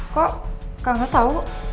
kok kakak gak tau